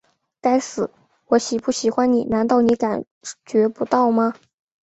该死，我喜不喜欢你难道你感觉不到吗?